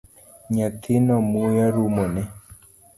Nyathino muya rumone